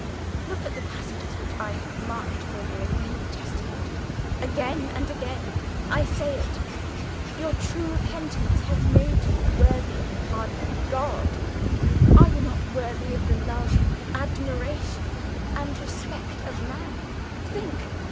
Look at the passages which I have marked for you in the New Testament. Again and again, I say it; your true repentance has made you worthy of the pardon of God. Are you not worthy of the love, admiration, and respect of man? Think!